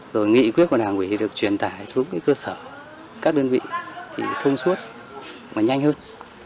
rồi nghị quyết của đảng ủy được truyền tải xuống cơ sở các đơn vị thì thông suốt và nhanh hơn